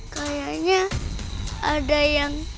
kayaknya ada yang